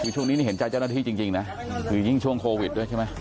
ใจเจ้าหน้าที่จริงนะคือยิ่งช่วงโควิดด้วยใช่ไหม